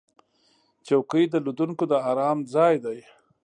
چوکۍ د لیدونکو د آرام ځای دی.